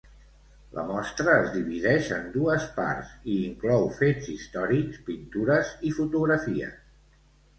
La mostra es divideix en dues parts i inclou fets històrics, pintures i fotografies.